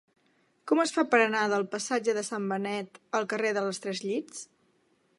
Com es fa per anar del passatge de Sant Benet al carrer dels Tres Llits?